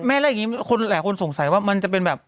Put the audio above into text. แล้วอย่างนี้คนหลายคนสงสัยว่ามันจะเป็นแบบ